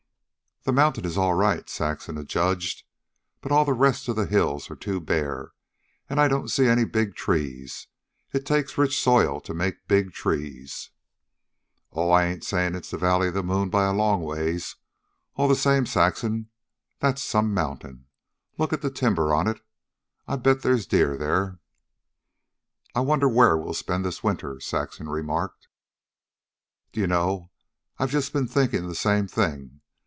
"The mountain is all right," Saxon adjudged. "But all the rest of the hills are too bare. And I don't see any big trees. It takes rich soil to make big trees." "Oh, I ain't sayin' it's the valley of the moon by a long ways. All the same, Saxon, that's some mountain. Look at the timber on it. I bet they's deer there." "I wonder where we'll spend this winter," Saxon remarked. "D'ye know, I've just been thinkin' the same thing.